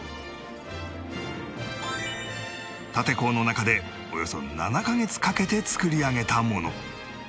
立坑の中でおよそ７カ月かけて造り上げたもの